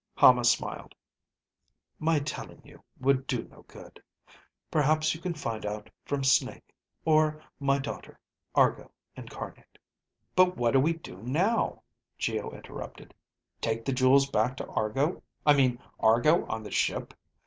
Hama smiled. "My telling you would do no good. Perhaps you can find out from Snake, or my daughter, Argo Incarnate." "But what do we do now?" Geo interrupted. "Take the jewels back to Argo, I mean Argo on the ship?